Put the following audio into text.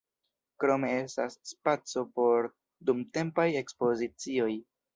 Krome estas spaco por dumtempaj ekspozicioj.